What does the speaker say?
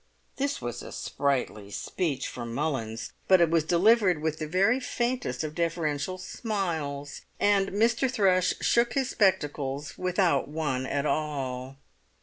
This was a sprightly speech for Mullins; but it was delivered with the very faintest of deferential smiles, and Mr. Thrush shook his spectacles without one at all.